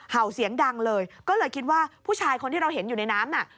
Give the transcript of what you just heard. เสียงดังเลยก็เลยคิดว่าผู้ชายคนที่เราเห็นอยู่ในน้ำน่ะ